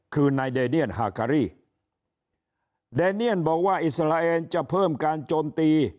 คือนายเดเดียนฮาการี่เดเนียนบอกว่าอิสราเอลจะเพิ่มการโจมตี